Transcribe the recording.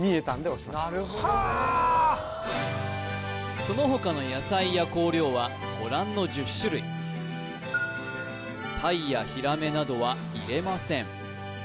なるほどねはあその他の野菜や香料はご覧の１０種類鯛やヒラメなどは入れません